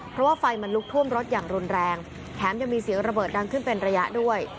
เพราะว่าไฟมันลุกท่วมรถอย่างรุนแรงแถมยังมีเสียงระเบิดดังขึ้นเป็นระยะด้วย